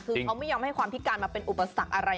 คือเขาไม่ยอมให้ความพิการมาเป็นอุปสรรคอะไร